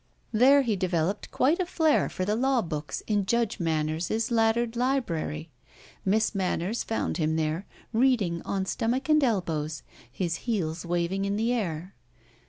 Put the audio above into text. There he developed quite a flair for the law books in Judge Manners's laddered library. Miss Manners found him there, reading, on stomach and elbows, his heels waving in the air.